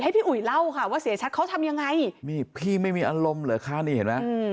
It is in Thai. พี่อุ๋ยเล่าค่ะว่าเสียชัดเขาทำยังไงนี่พี่ไม่มีอารมณ์เหรอคะนี่เห็นไหม